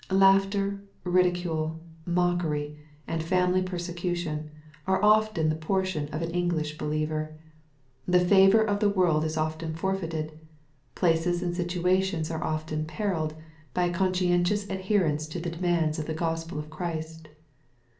Laughter, ridicule, mockery, and family persecution, are often the portion of an English believer. The favor of the world is often forfeited, — ^places and situations Are often perilled, by a conscientious adherence to the demands of the Gospel of Christ.